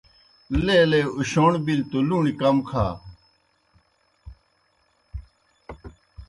لیلے اُشَوݨ بِلیْ توْ لُوݨیْ کم کھا۔